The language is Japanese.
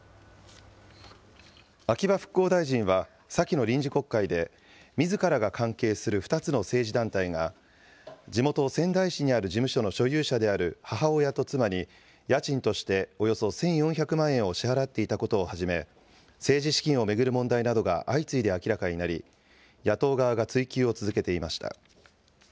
秋葉復興大臣は、先の臨時国会で、みずからが関係する２つの政治団体が、地元、仙台市にある事務所の所有者である母親と妻に、家賃としておよそ１４００万円を支払っていたことをはじめ、政治資金を巡る問題などが相次いで明らかになり、野党側が追及を続けていました。